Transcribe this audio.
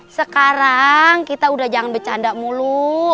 sekarang kita udah jangan bercanda mulu